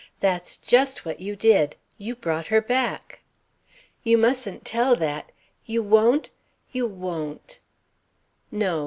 "That's just what you did you brought her back." "You mustn't tell that! You won't? You won't!" "No.